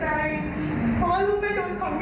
ถ้าคุณแม่คิดคนเดียวอะไรกว่าบนนะคะคุณแม่